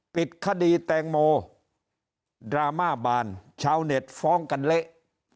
ปิดคดีแตงโมดราม่าบานชาวเน็ตฟ้องกันเละ